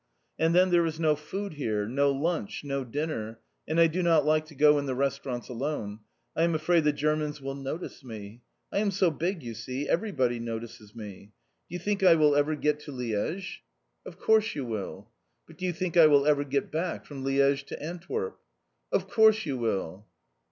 "And then there is no food here, no lunch, no dinner, and I do not like to go in the restaurants alone; I am afraid the Germans will notice me. I am so big, you see, everybody notices me. Do you think I will ever get to Liège?" "Of course you will." "But do you think I will ever get back from Liège to Antwerp?" "Of course you will."